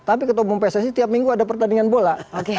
tapi ketua umum pssi tiap minggu ada pertandingan bola